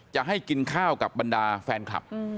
จะให้กินข้าวกับบรรดาแฟนคลับ